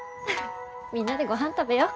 みんなでごはん食べよう。